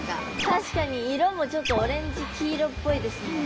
確かに色もちょっとオレンジ黄色っぽいですもんね。